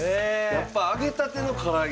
やっぱ揚げたてのから揚げ